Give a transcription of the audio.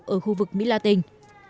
ở khu vực mỹ la tình